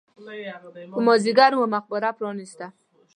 په مازیګر مو مقبره پرانېسته.